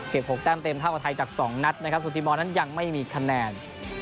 เก็บ๖แต่มเต็มเท่ากับไทยจาก๒นัทนะครับส่วนตีมองนั้นยังไม่มีคะแนน